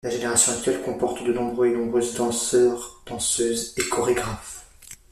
La génération actuelle comporte de nombreux et nombreuses danseurs, danseuses et chorégraphes.